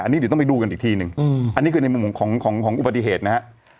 อันนี้เดี๋ยวต้องไปดูกันอีกทีหนึ่งอันนี้คือในมุมของอุบัติเหตุนะฮะ